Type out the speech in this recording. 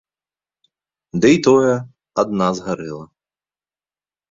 Дый тое, адна згарэла.